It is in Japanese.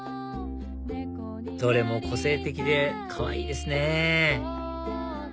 どれも個性的でかわいいですね